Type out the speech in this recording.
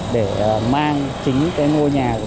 để mang chính cái nguyên liệu của nhà mình